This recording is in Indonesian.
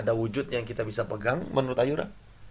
ada wujudnya yang kita bisa pegang menurut ayura